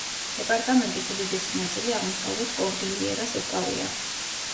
დეპარტამენტის უდიდესი ნაწილი აღმოსავლეთ კორდილიერას უკავია.